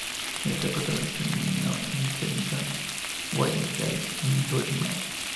Interpretó al asesino en serie John Wayne Gacy en "Dear Mr.